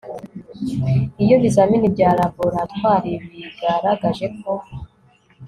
iyo ibizamini bya laboratwari bigaragaje ko